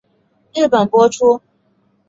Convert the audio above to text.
日本播出。